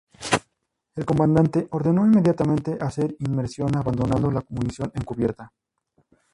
El comandante ordenó inmediatamente hacer inmersión, abandonando la munición en cubierta.